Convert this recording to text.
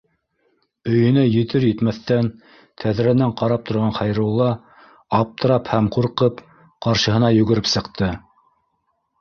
Өйөнә етер-етмәҫтән, тәҙрәнән ҡарап торған Хәйрулла, аптырап һәм ҡурҡып, ҡаршыһына йүгереп сыҡты